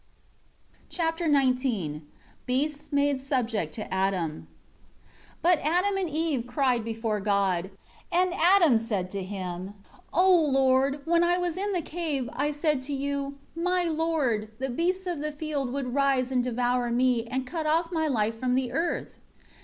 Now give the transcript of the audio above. Chapter XIX Beasts made subject to Adam. 1 But Adam and Eve cried before God. And Adam said to Him: 2 "O Lord, when I was in the cave, I said this to you, my Lord, the beasts of the field would rise and devour me, and cut off my life from the earth."